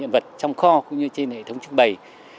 vật trong kho cũng như trên hệ thống trưng bày